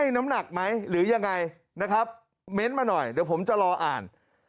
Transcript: น้ำหนักไหมหรือยังไงนะครับเม้นต์มาหน่อยเดี๋ยวผมจะรออ่าน